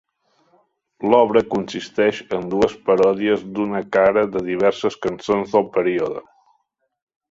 L'obra consisteix en dues paròdies d'una cara de diverses cançons del període.